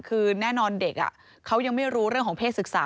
คือแน่นอนเด็กเขายังไม่รู้เรื่องของเพศศึกษา